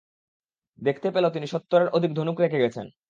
দেখতে পেল তিনি সত্তরের অধিক ধনুক রেখে গেছেন।